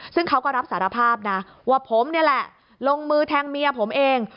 ซึ่งเขาก็รับสารภาพนะว่าผมนี่แหละลงมือแทงเมียผมเอง